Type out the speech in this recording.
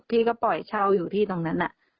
พี่ก็ปล่อยเช่าอยู่ที่ตรงนั้น